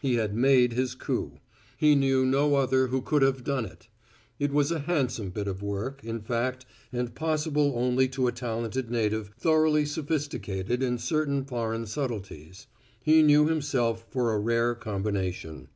He had made his coup; he knew no other who could have done it. It was a handsome bit of work, in fact, and possible only to a talented native thoroughly sophisticated in certain foreign subtleties. He knew himself for a rare combination.